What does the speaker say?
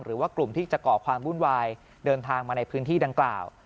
หรือว่ากลุ่มที่จะก่อความวุ่นวายเดินทางมาในพื้นที่ดังกล่าว